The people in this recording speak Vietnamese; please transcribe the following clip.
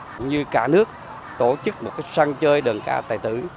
cũng như cả nước tổ chức một sân chơi đàn can tài tử